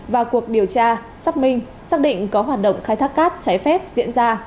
vào cuộc điều tra xác minh xác định có hoạt động khai thác cát trái phép diễn ra